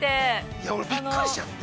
◆いや、俺びっくりしちゃって。